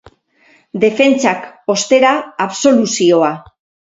Defentsak, ostera, absoluzioa.